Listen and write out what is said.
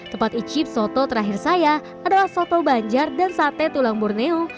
tempat icip soto terakhir saya adalah soto banjar dan sate tulang borneo